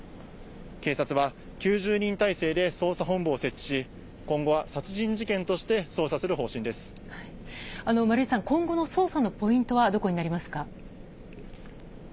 警察は９０人態勢で捜査本部を設置し、今後は殺人事件として捜査丸井さん、今後の捜査のポイントはどこになりますか。